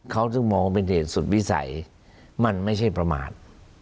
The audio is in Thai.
เขาจึงมองว่าเป็นเหตุสุดวิสัยมันไม่ใช่ประมาท